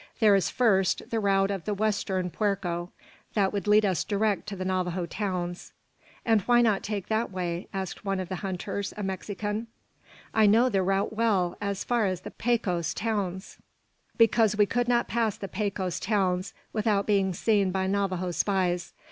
There is, first, the route of the Western Puerco. That would lead us direct to the Navajo towns." "And why not take that way?" asked one of the hunters, a Mexican. "I know the route well, as far as the Pecos towns." "Because we could not pass the Pecos towns without being seen by Navajo spies.